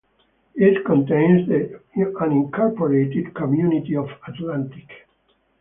It contains the unincorporated community of Atlantic.